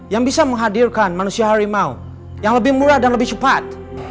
yang bisa menghadirkan manusia harimau yang lebih murah dan lebih cepat